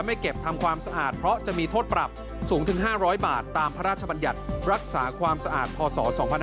ไม่เก็บทำความสะอาดเพราะจะมีโทษปรับสูงถึง๕๐๐บาทตามพระราชบัญญัติรักษาความสะอาดพศ๒๕๕๙